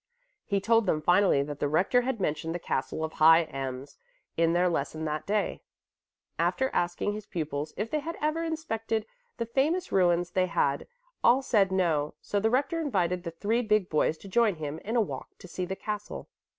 He told them finally that the rector had mentioned the castle of High Ems in their lessons that day. After asking his pupils if they had ever inspected the famous ruins they had all said no, so the rector invited the three big boys to join him in a walk to see the castle.